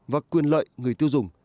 và quyền lợi người tiêu dùng